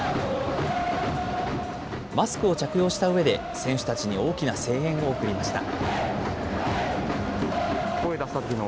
マスクを着用したうえで、選手たちに大きな声援を送りました。